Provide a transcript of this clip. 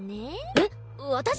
えっ私！？